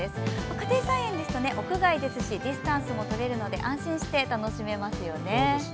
家庭菜園ですと、屋外ですしディスタンスもとれるので安心して楽しめますよね。